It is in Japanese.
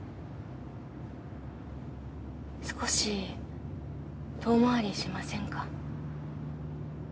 少し遠回りしませんか？